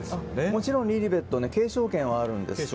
もちろん、リリベットは継承権はあるんですよ。